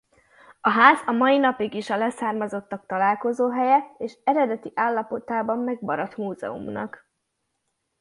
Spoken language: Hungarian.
A ház a mai napig is a leszármazottak találkozóhelye és eredeti állapotában megmaradt múzeumnak.